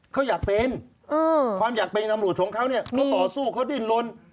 เขาอยากเป็นความอยากเป็นตำรวจของเขาเนี่ยเขาต่อสู้เขาดิ้นลน